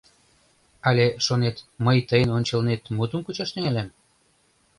Але, шонет, мый тыйын ончылнет мутым кучаш тӱҥалам?